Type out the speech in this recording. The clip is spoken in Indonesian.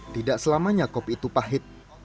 tidak selamanya kopi itu pahit